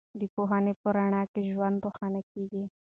د پوهنې په رڼا کې ژوند روښانه کېږي.